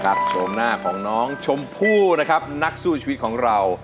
ชมหน้าของน้องชมพู่นะครับนักสู้ชีวิตของเรา